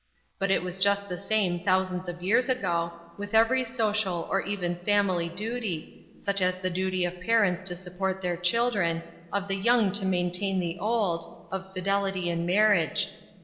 But it was just the same thousands of years ago, with every social or even family duty, such as the duty of parents to support their children, of the young to maintain the old, of fidelity in marriage.